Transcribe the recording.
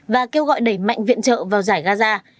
và kêu gọi đẩy mạnh viện trợ vào giải gaza